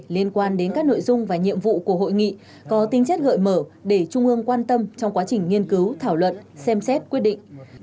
liên quan đến các nội dung và nhiệm vụ của hội nghị có tính chất gợi mở để trung ương quan tâm trong quá trình nghiên cứu thảo luận xem xét quyết định